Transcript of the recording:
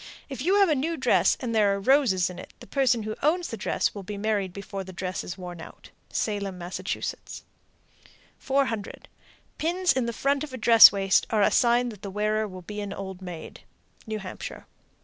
If you have a new dress and there are roses in it, the person who owns the dress will be married before the dress is worn out. Salem, Mass. 400. Pins in the front of a dress waist are a sign that the wearer will be an old maid. _New Hampshire.